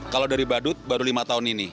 kalau dari badut baru lima tahun ini